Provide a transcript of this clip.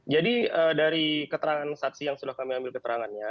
jadi dari keterangan saksi yang sudah kami ambil keterangannya